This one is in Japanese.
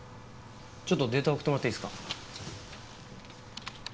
ちょっとデータ送ってもらっていいですか？